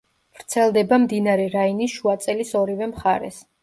ვრცელდება მდინარე რაინის შუაწელის ორივე მხარეს.